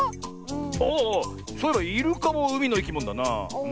ああっそういえばイルカもうみのいきものだな。